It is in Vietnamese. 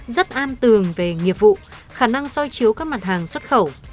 rất am tường về nghiệp vụ khả năng soi chiếu các mặt hàng xuất khẩu